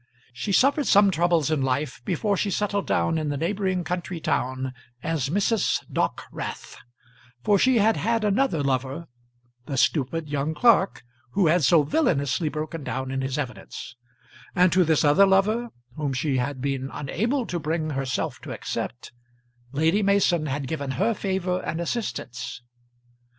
She suffered some troubles in life before she settled down in the neighbouring country town as Mrs. Dockwrath, for she had had another lover, the stupid young clerk who had so villainously broken down in his evidence; and to this other lover, whom she had been unable to bring herself to accept, Lady Mason had given her favour and assistance.